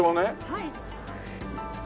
はい。